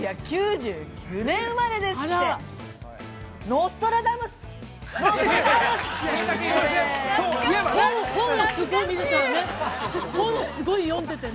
１９９９年生まれですって。